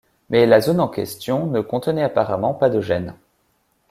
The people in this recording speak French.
Mais la zone en question ne contenait apparemment pas de gène.